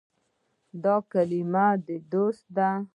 دا کلمه “دوست” ده.